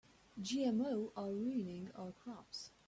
GMO are ruining our crops.